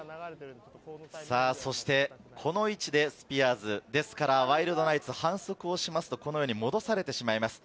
この位置でスピアーズ、ワイルドナイツ、反則をすると、このように戻されてしまいます。